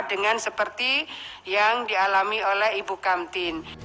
dengan seperti yang dialami oleh ibu kamtin